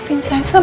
hope ini bagaimana